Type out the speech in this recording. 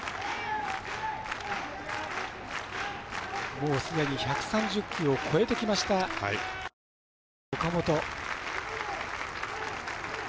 もう、すでに１３０球を超えてきましたピッチャーの岡本。